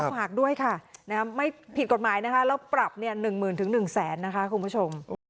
ฝากด้วยค่ะไม่ผิดกฎหมายนะคะแล้วปรับเนี่ย๑หมื่นถึง๑แสนนะคะคุณผู้ชม